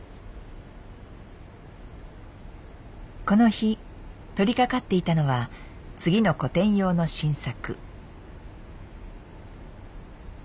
この日取りかかっていたのは次の個展用の新作。